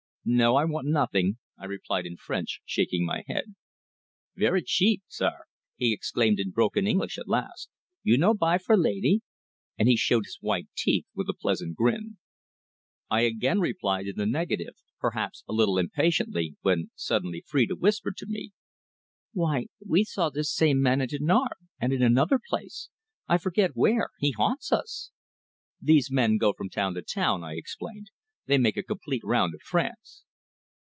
"No, I want nothing," I replied in French, shaking my head. "Ve ry cheep, sare!" he exclaimed in broken English at last. "You no buy for laidee?" and he showed his white teeth with a pleasant grin. I again replied in the negative, perhaps a little impatiently, when suddenly Phrida whispered to me: "Why, we saw this same man in Dinard, and in another place I forget where. He haunts us!" "These men go from town to town," I explained. "They make a complete round of France."